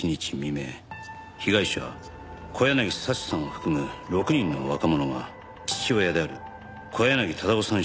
被害者小柳早智さんを含む６人の若者が父親である小柳忠夫さん